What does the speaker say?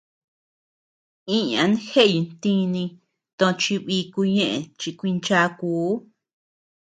Iñan jeʼey ntíni tochi bíku ñeʼe chikuinchákuu.